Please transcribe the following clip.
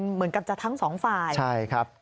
เหมือนกับจะทั้งสองฝ่ายใช่ครับ